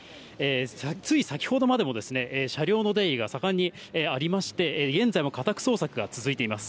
つい先ほどまでも、車両の出入りが盛んにありまして、現在も家宅捜索が続いています。